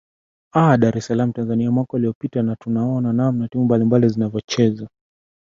aa dar es salam tanzania mwaka uliopita na tukaona namna timu mbali mbali zilivyocheza